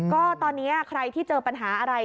ก็ตอนนี้ใครที่เจอปัญหาอะไร